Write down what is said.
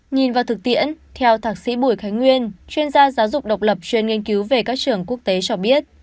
nhìn vào thực tiễn theo thạc sĩ bùi khánh nguyên chuyên gia giáo dục độc lập chuyên nghiên cứu về các trường quốc tế cho biết